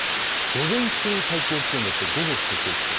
午前中に最高気温が出て午後、最低気温。